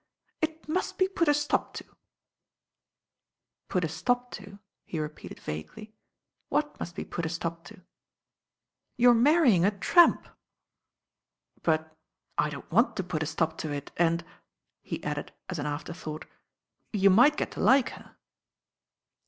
"It must be put a stop to." LADY DREWirrS ALARM t86 "Put a stop to," he repeated vaguely. "What must be put a stop to?" "Your marrying a tramp." "But I don't want to put a stop to it, and," he added as an afterthought, "you might get to like her."